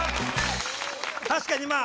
確かにまあ